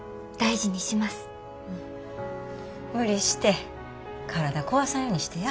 無理して体壊さんようにしてや？